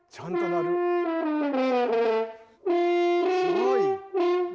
すごい。